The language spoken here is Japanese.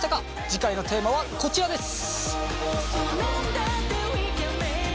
次回のテーマはこちらです。